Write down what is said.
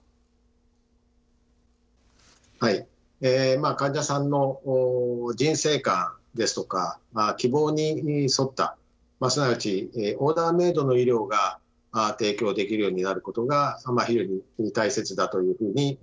まあ患者さんの人生観ですとかまあ希望に沿ったすなわちオーダーメイドの医療が提供できるようになることが非常に大切だというふうに感じています。